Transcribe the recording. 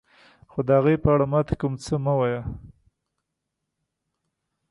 خو د هغوی په اړه ما ته کوم څه مه وایه.